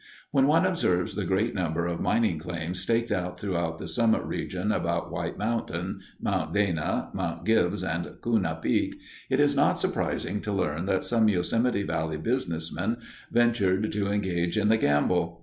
When one observes the great number of mining claims staked out throughout the summit region about White Mountain, Mount Dana, Mount Gibbs, and Kuna Peak, it is not surprising to learn that some Yosemite Valley businessmen ventured to engage in the gamble.